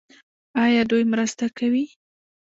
آیا دوی مرسته کوي؟